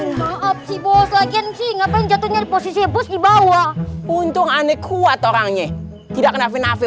maaf si bos lagian si ngapain jatuhnya di posisi bos dibawah untung aneh kuat orangnya tidak kena nafih nafih